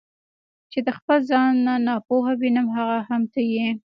چې د خپل ځان نه ناپوه وینم هغه هم ته یې.